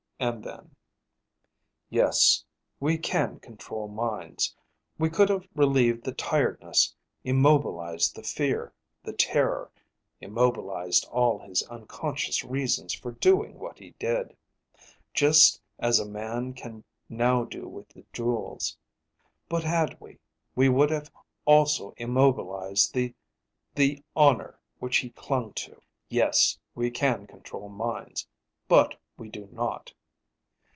And then, "Yes, we can control minds. We could have relieved the tiredness, immobilized the fear, the terror, immobilized all his unconscious reasons for doing what he did, just as man can now do with the jewels. But had we, we would have also immobilized the the honor which he clung to. Yes, we can control minds, but we do not."